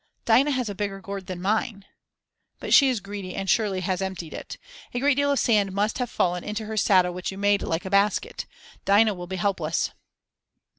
"Dinah has a bigger gourd than mine." "But she is greedy and surely has emptied it. A great deal of sand must have fallen into her saddle which you made like a basket. Dinah will be helpless."